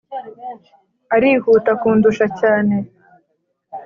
arihuta kundusha cyane